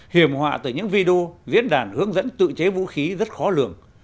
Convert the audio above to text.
hiểm họa từ những video diễn đàn hướng dẫn tự chế vũ khí rất khó lường